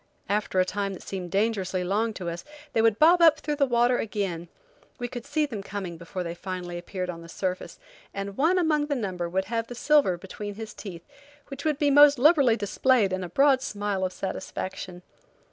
After a time that seemed dangerously long to us, they would bob up through the water again. We could see them coming before they finally appeared on the surface, and one among the number would have the silver between his teeth, which would be most liberally displayed in a broad smile of satisfaction.